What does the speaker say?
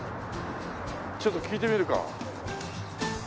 ちょっと聞いてみるか。